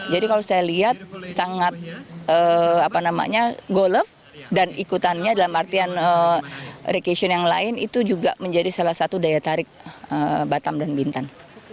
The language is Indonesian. jadi kalau saya lihat sangat golf dan ikutannya dalam artian rekesian yang lain itu juga menjadi salah satu daya tarik batam dan bintan